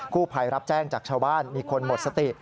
ผู้ภัยรับแจ้งจากชาวบ้านมีคนหมดสติ